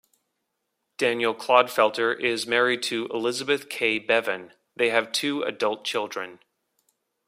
Daniel Clodfelter is married to Elizabeth K. Bevan; they have two adult children.